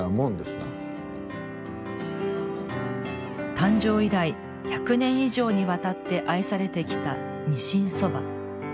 誕生以来１００年以上にわたって愛されてきた、にしんそば。